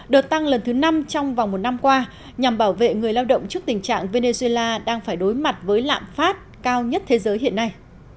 đợt tăng lần thứ năm trong vòng một năm qua nhằm bảo vệ người lao động trước tình trạng venezuela đang phải đối mặt với lạm phát cao nhất thế giới hiện nay